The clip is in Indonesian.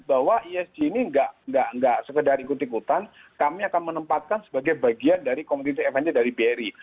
bahwa esg ini nggak segedar ikuti kutan kami akan menempatkan sebagai bagian dari community advantage dari bri